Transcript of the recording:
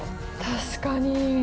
確かに。